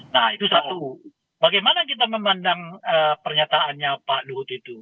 nah itu satu bagaimana kita memandang pernyataannya pak luhut itu